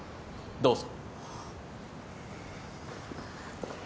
・どうぞ。